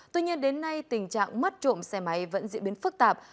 tuy nhiên đến nay tình trạng mất trộm xe máy vẫn diễn biến phức tạp